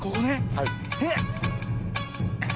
はい。